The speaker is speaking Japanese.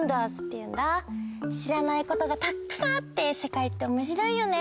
しらないことがたっくさんあってせかいっておもしろいよね。